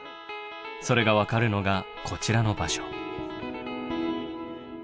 それが分かるのがこちらの場所。